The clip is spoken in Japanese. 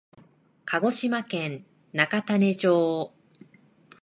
鹿児島県中種子町